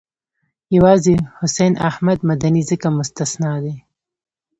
یوازې حسین احمد مدني ځکه مستثنی دی.